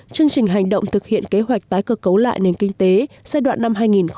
chương trình hành động thực hiện kế hoạch tái cơ cấu lại nền kinh tế giai đoạn năm hai nghìn một mươi bảy hai nghìn hai mươi